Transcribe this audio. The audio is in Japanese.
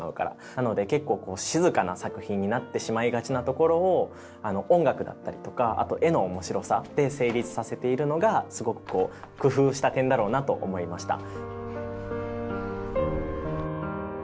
なので結構こう静かな作品になってしまいがちなところを音楽だったりとかあと画の面白さで成立させているのがすごくこう工夫した点だろうなと思いました。